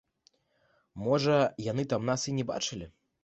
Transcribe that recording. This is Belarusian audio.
Можа, яны там нас і не бачылі.